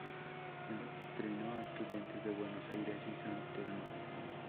Entreno a Estudiantes de Buenos Aires y San Telmo.